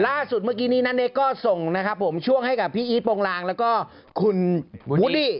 ล่าสุดเมื่อกี้นี้นาเนกก็ส่งนะครับผมช่วงให้กับพี่อีทโปรงลางแล้วก็คุณวูดดี้